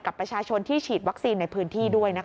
กับประชาชนที่ฉีดวัคซีนในพื้นที่ด้วยนะคะ